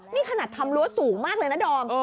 นี่ขนาดทำรั้วสูงมากเลยนะดอม